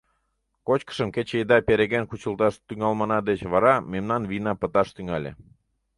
Кочкышым кече еда переген кучылташ тӱҥалмына деч вара мемнан вийна пыташ тӱҥале.